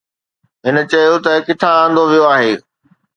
هن چيو ته ڪٿان آندو ويو آهي.